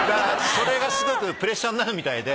それがすごくプレッシャーになるみたいで。